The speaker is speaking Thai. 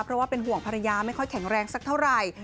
เพราะว่าเป็นห่วงภรรยาไม่ค่อยแข็งแรงสักเท่าไหร่